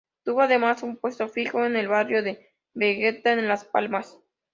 Tuvo además un puesto fijo en el barrio de Vegueta, en Las Palmas.